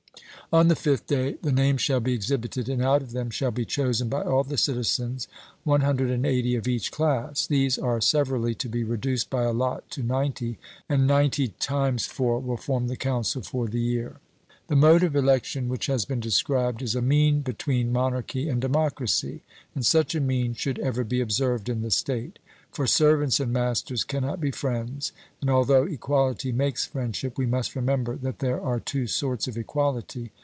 On the fifth day, the names shall be exhibited, and out of them shall be chosen by all the citizens 180 of each class: these are severally to be reduced by lot to ninety, and 90 x 4 will form the council for the year. The mode of election which has been described is a mean between monarchy and democracy, and such a mean should ever be observed in the state. For servants and masters cannot be friends, and, although equality makes friendship, we must remember that there are two sorts of equality.